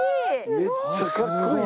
めっちゃかっこいい！